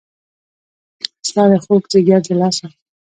ستا د خوږ ځیګر د لاسه